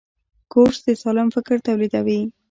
کورس د سالم فکر تولیدوي.